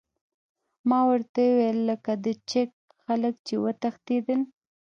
ما ورته وویل: لکه د چیک خلک، چې وتښتېدل.